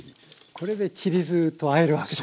これでちり酢とあえるわけですね。